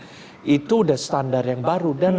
dan dari kkn itu udah standar yang baru